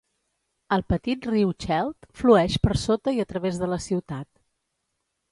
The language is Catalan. El petit riu Chelt flueix per sota i a través de la ciutat.